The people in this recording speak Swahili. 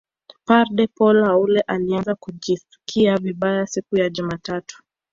padre Paul Haule alianza kujisikia vibaya siku ya jumatatu